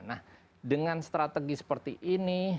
nah dengan strategi seperti ini